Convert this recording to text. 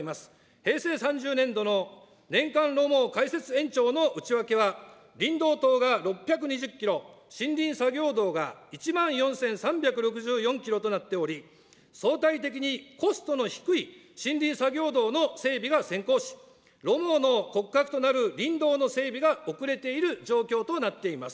平成３０年度の年間路網開設延長の内訳は、林道等が６２０キロ、森林作業道が１万４３６４キロとなっており、相対的にコストの低い森林作業道の整備が先行し、路網の骨格となる林道の整備が遅れている状況となっています。